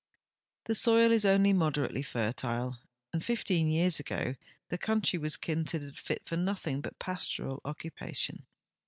The soil is only moderately fertile, and 15 years ago the country was considered fit for nothing but pastoral occujiation.